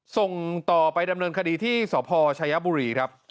ส่งต่อไปดำเนินคดีที่สพชายบุรีครับ